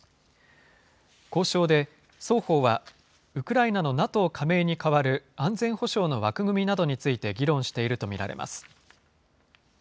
交渉で双方は、ウクライナのＮＡＴＯ加盟に代わる安全保障の枠組みなどについて議論していると見られます。